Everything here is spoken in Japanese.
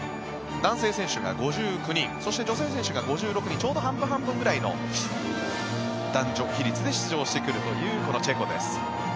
男性選手が５９人そして女性選手が５６人ちょうど半分半分ぐらいの男女比率で出場してくるというこのチェコです。